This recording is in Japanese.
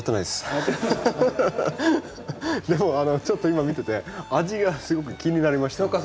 でもちょっと今見てて味がすごく気になりました。